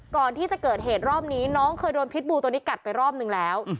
ก่อนที่จะเกิดเหตุรอบนี้น้องเคยโดนพิษบูตัวนี้กัดไปรอบนึงแล้ว